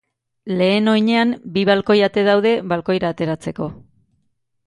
Lehen oinean, bi balkoi-ate daude balkoira ateratzeko.